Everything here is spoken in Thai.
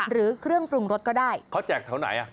หรือเครื่องปรุงรสก็ได้เขาแจกเท่าไหน